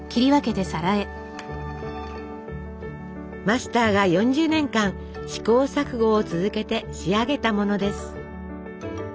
マスターが４０年間試行錯誤を続けて仕上げたものです。